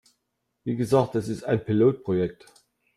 Wie gesagt, es ist ein Pilotprojekt.